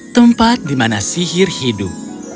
tempat di mana sihir hidup